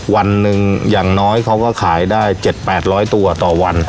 วันหนึ่งอย่างน้อยเขาก็ขายได้๗๘๐๐ตัวต่อวัน